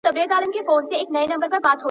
په پراخ ډول دا فرضیه منل شوې ده.